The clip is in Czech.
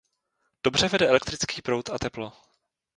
Dobře vede elektrický proud a teplo.